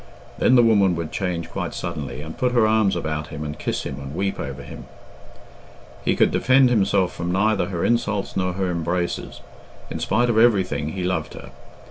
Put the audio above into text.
Then the woman would change quite suddenly, and put her arms about him and kiss him and weep over him. He could defend himself from neither her insults nor her embraces. In spite of everything he loved her.